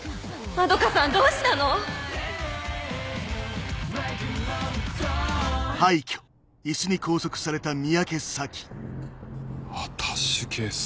円さんどうしたの⁉アタッシュケース。